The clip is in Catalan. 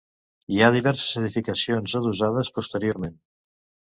Hi ha diverses edificacions adossades posteriorment.